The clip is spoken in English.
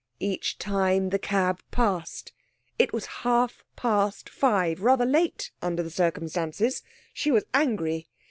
Each time the cab passed. It was half past five, rather late under the circumstances. She was angry.